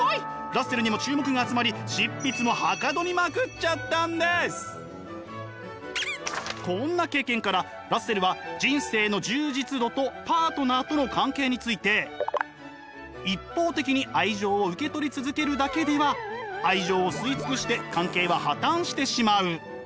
ラッセルにも注目が集まりこんな経験からラッセルは人生の充実度とパートナーとの関係について一方的に愛情を受け取り続けるだけでは愛情を吸い尽くして関係は破綻してしまう。